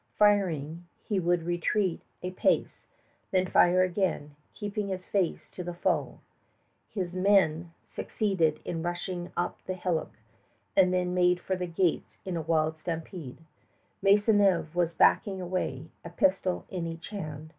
Firing, he would retreat a pace, then fire again, keeping his face to the foe. His men succeeded in rushing up the hillock, then made for the gates in a wild stampede. Maisonneuve was backing away, a pistol in each hand.